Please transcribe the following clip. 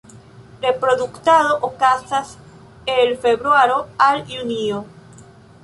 Reproduktado okazas el februaro al junio.